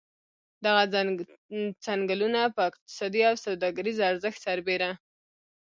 دغه څنګلونه په اقتصادي او سوداګریز ارزښت سربېره.